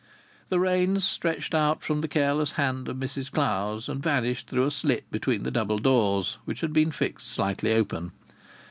The reins stretched out from the careless hand of Mrs Clowes and vanished through a slit between the double doors, which had been fixed slightly open.